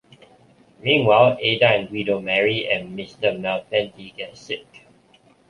Meanwhile, Ada and Guido marry and Mr. Malfenti gets sick.